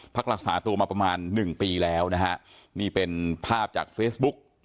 รักษาตัวมาประมาณหนึ่งปีแล้วนะฮะนี่เป็นภาพจากเฟซบุ๊ก